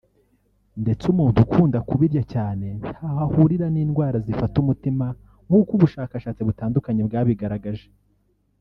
ndetse umuntu ukunda kubirya cyane ntaho ahurira n’indwara zifata umutima nk'uko ubushakashatsi butandukanye bwabigaragaje